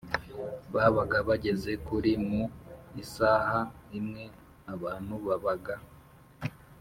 babaga bageze kuri Mu isaha imwe abantu babaga